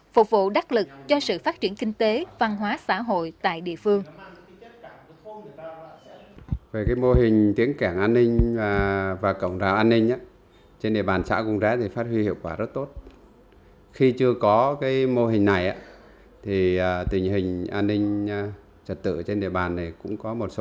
phục vụ đắc lực cho sự phát triển kinh tế văn hóa xã hội tại địa phương